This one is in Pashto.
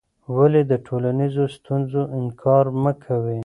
ولې د ټولنیزو ستونزو انکار مه کوې؟